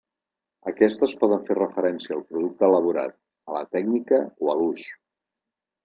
Aquestes poden fer referència al producte elaborat, a la tècnica o a l'ús.